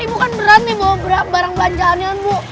ibu kan berani bawa barang barang jalan jalan bu